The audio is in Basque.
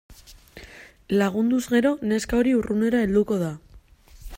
Lagunduz gero neska hori urrunera helduko da.